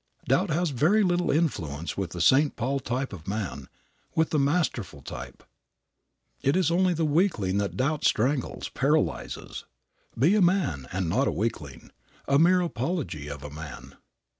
Doubt has very little influence with the Saint Paul type of man, with the masterful type. It is only the weakling that doubt strangles, paralyzes. Be a man and not a weakling, a mere apology of a man.